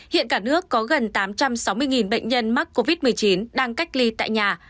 hiện cả nước có gần tám trăm sáu mươi bệnh nhân mắc covid một mươi chín đang cách ly tại nhà